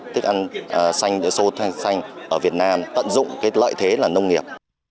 thức ăn xanh xanh ở việt nam tận dụng cái lợi thế là nông nghiệp